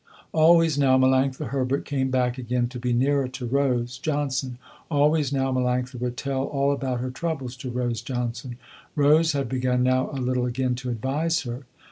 Always now Melanctha Herbert came back again to be nearer to Rose Johnson. Always now Melanctha would tell all about her troubles to Rose Johnson. Rose had begun now a little again to advise her.